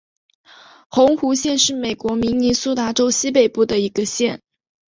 红湖县是美国明尼苏达州西北部的一个县。